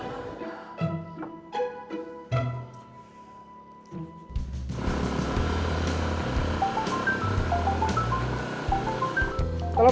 drivers ya tu